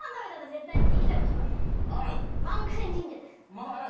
まだある？